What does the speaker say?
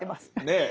ねえ。